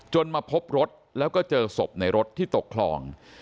มาพบรถแล้วก็เจอศพในรถที่ตกคลอง